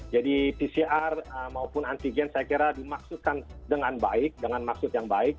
jadi pcr maupun anti gan saya kira dimaksudkan dengan baik dengan maksud yang baik